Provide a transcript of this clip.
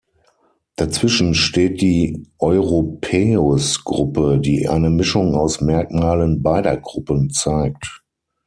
Dazwischen steht die "europaeus"-Gruppe, die eine Mischung aus Merkmalen beider Gruppen zeigt.